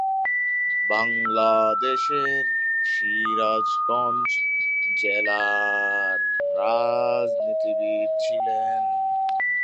বাংলাদেশের সিরাজগঞ্জ জেলার রাজনীতিবিদ ছিলেন।